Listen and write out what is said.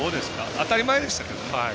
当たり前でしたけどね。